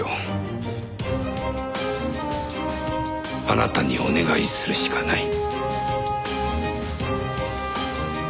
あなたにお願いするしかない。